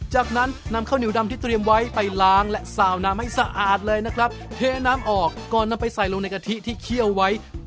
จากนั้นนำข้าวเหนียวดำที่เตรียมไว้ไปล้างและซาวน้ำให้สะอาดเลยนะครับเทน้ำออกก่อนนำไปใส่ลงในกะทิที่เคี่ยวไว้